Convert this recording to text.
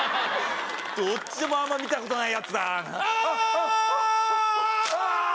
どっちでもあんま見たことないやつだなあーっあっ！